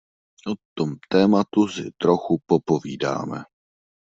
O tom tématu si trochu popovídáme.